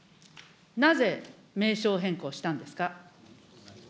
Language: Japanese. なぜ名称変更したんですか。